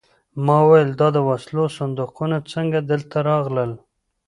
ما وویل دا د وسلو صندوقونه څنګه دلته راغلل